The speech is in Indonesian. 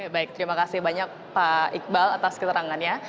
baik terima kasih banyak pak iqbal atas keterangannya